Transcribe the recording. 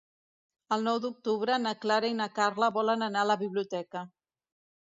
El nou d'octubre na Clara i na Carla volen anar a la biblioteca.